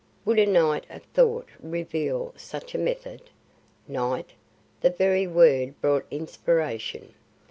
Would a night of thought reveal such a method? Night! the very word brought inspiration.